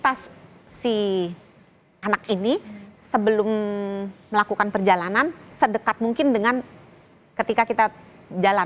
jadi rutinitas si anak ini sebelum melakukan perjalanan sedekat mungkin dengan ketika kita jalan